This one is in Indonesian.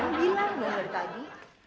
mesti sayang bilang dong dari tadi